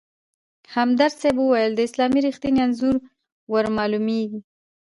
همدرد صیب ویل: د اسلام رښتیني انځور ورمالومېږي.